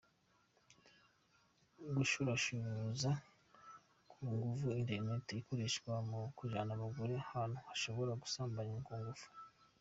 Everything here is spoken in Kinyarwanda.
Gushurashuza ku nguvu - internet irakoreshwa mu kujana abagore ahantu bashobora gusambanywa ku nguvu .